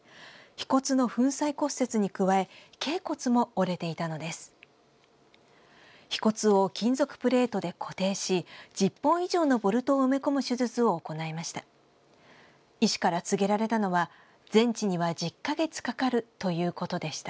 ひ骨を金属プレートで固定し１０本以上のボルトを埋め込む手術を行いました。